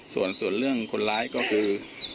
ส่วนเรื่องคนร้ายก็คือ